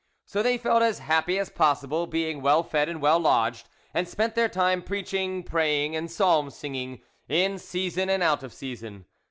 So they felt as happy as possible, being well fed and well lodged, and spent their time preaching, praying, and psalm singing, in season and out of season.